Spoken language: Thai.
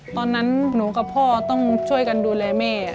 ตอนนั้นหนูกับพ่อต้องช่วยกันดูแลแม่